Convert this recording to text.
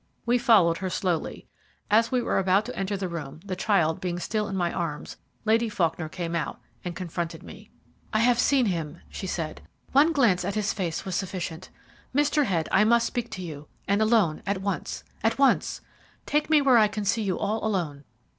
We followed her slowly. As we were about to enter the room, the child being still in my arms, Lady Faulkner came out, and confronted me. "I have seen him," she said. "One glance at his face was sufficient. Mr. Head, I must speak to you, and alone, at once at once! Take me where I can see you all alone."